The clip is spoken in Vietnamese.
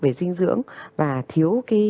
về dinh dưỡng và thiếu